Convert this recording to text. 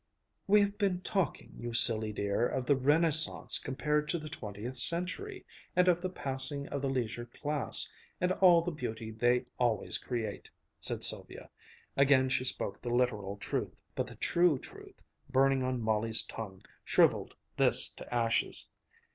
"We've been talking, you silly dear, of the Renaissance compared to the Twentieth Century, and of the passing of the leisure class, and all the beauty they always create," said Sylvia. Again she spoke the literal truth. But the true truth, burning on Molly's tongue, shriveled this to ashes.